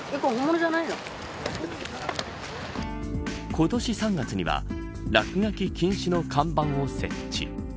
今年３月には落書き禁止の看板を設置。